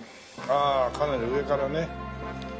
ああかなり上からね。